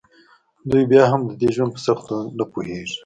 دوی بیا هم د دې ژوند په سختیو نه پوهیږي